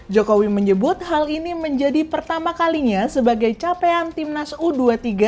jokowi menyebut hal ini menjadi pertama kalinya sebagai capaian timnas u dua puluh tiga